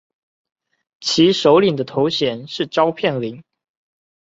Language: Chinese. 其首领的头衔是召片领。